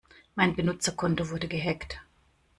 Mein Benutzerkonto wurde gehackt.